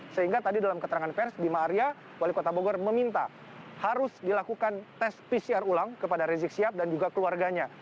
sehingga tadi dalam keterangan pers bima arya wali kota bogor meminta harus dilakukan tes pcr ulang kepada rizik sihab dan juga keluarganya